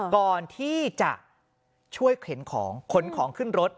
ก่อนที่จะช่วยเข็นของขนของขึ้นรถ